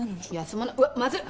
うわまずっ。